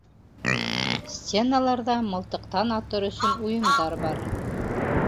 Стеналарҙа мылтыҡтан атыр өсөн уйымдар бар.